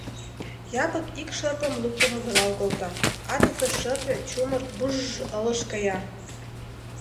Япык ик шырпым луктын удырал колта, атысе шырпе чумыр буж-ж ылыж кая.